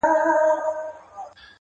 کله زيات او کله کم درپسې ژاړم!